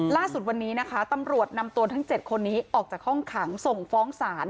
ล่าสุดวันนี้นะคะตำรวจนำตัวทั้ง๗คนนี้ออกจากห้องขังส่งฟ้องศาล